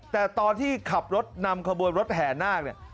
แต่ตอนที่ขับรถนำขบวนรถแห่นาคเนี่ย